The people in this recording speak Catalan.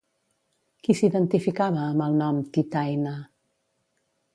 Qui s'identificava amb el nom Titaÿna?